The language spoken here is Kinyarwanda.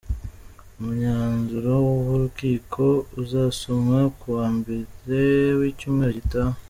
Umyanzuro w'urukiko uzasomwa ku wa mbere w'icyumweru gitaha.